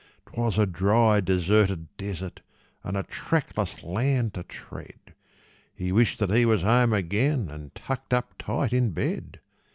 'Twas a dry, deserted desert, and a trackless land to tread; He wished that he was home again and tucked up tight in bed.